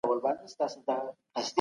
په پوزه کې ګوتې مه وهئ.